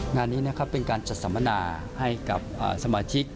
งานนี้นะครับเป็นการจัดสัมมนาให้กับสมาชิก